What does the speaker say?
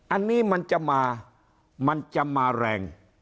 อันนี้มันจะมามันจะมาแรง